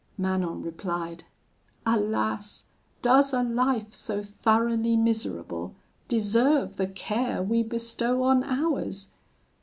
"Manon replied: 'Alas! does a life so thoroughly miserable deserve the care we bestow on ours?